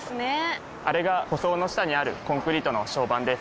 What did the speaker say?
あれが舗装の下にあるコンクリートの床版です。